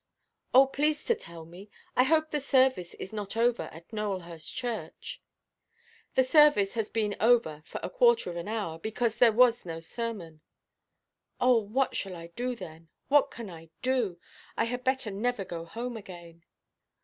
"Oh, please to tell me—I hope the service is not over at Nowelhurst church." "The service has been over for a quarter of an hour; because there was no sermon." "Oh, what shall I do, then? What can I do? I had better never go home again."